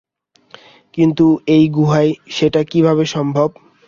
কিন্তু এই গুহায় সেটা কিভাবে সম্ভব?